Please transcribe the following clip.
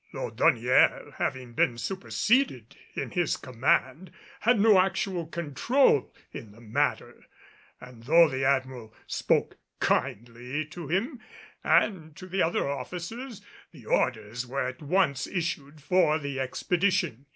Laudonnière, having been superseded in his command, had no actual control in the matter, and though the Admiral spoke kindly to him and to the other officers, the orders were at once issued for the expedition.